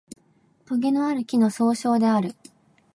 とげのある木の総称である